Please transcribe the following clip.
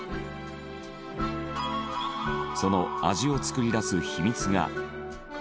その味を作り出す秘密が。